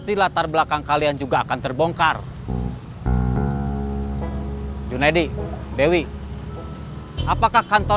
tidak ada yang bisa diberikan kepadanya